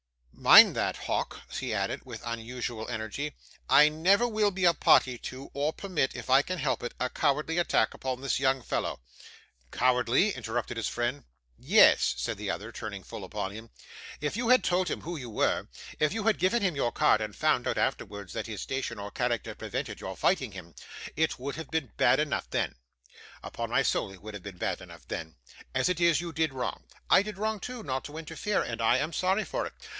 'Mind that, Hawk!' he added, with unusual energy. 'I never will be a party to, or permit, if I can help it, a cowardly attack upon this young fellow.' 'Cowardly!' interrupted his friend. 'Ye es,' said the other, turning full upon him. 'If you had told him who you were; if you had given him your card, and found out, afterwards, that his station or character prevented your fighting him, it would have been bad enough then; upon my soul it would have been bad enough then. As it is, you did wrong. I did wrong too, not to interfere, and I am sorry for it.